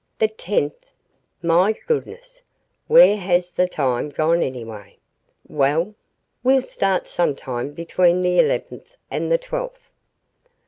The tenth? My goodness, where has the time gone, anyway? Well? we'll start sometime between the eleventh and the twelfth."